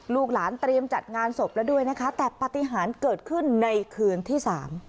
ลูกหลานเตรียมจัดงานศพแล้วด้วยนะคะแต่ปฏิหารเกิดขึ้นในคืนที่๓